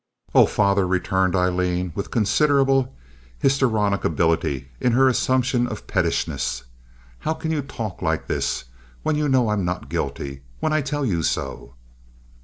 "Oh, father," returned Aileen, with considerable histrionic ability in her assumption of pettishness, "how can you talk like this when you know I'm not guilty? When I tell you so?"